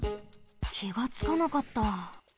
きがつかなかった。